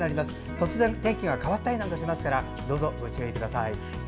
突然天気が変わったりなんかしますからどうぞご注意ください。